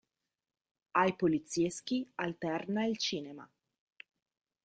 Ai polizieschi alterna il cinema.